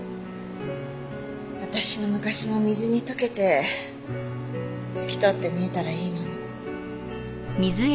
私の昔も水に溶けて透き通って見えたらいいのに。